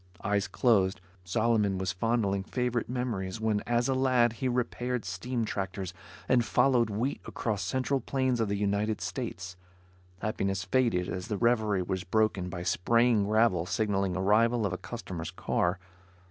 Eyes closed, Solomon was fondling favorite memories, when as a lad he repaired steam tractors and followed wheat across central plains of the United States. Happiness faded as the reverie was broken by spraying gravel signaling arrival of a customer's car.